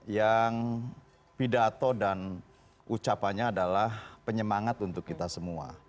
yang pidato dan ucapannya adalah penyemangat untuk kita semua